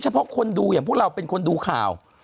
เพราะคนดูอย่างพวกเราเป็นคนดูข่าว